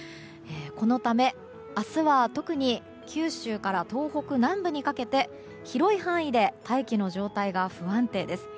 このため、明日は特に九州から東北南部にかけて広い範囲で大気の状態が不安定です。